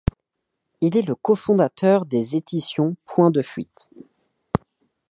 Il est le cofondateur des éditions Point de Fuite.